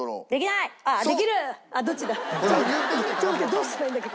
どうしたらいいんだっけ？